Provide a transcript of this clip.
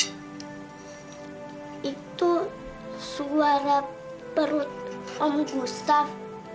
itu suara perut om gustaf